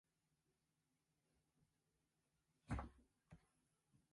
久しぶり。元気だった？